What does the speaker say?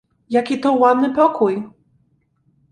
"Jaki to ładny pokój!"